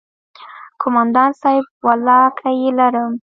کومندان صايب ولله که يې لرم.